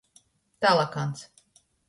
Talakans.